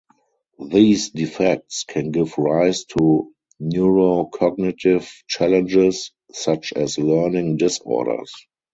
These defects can give rise to neurocognitive challenges such as learning disorders.